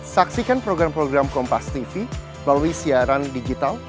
saksikan program program kompastv melalui siaran digital